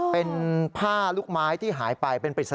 เป็นผ้าลูกไม้ที่หายไปเป็นปริศนา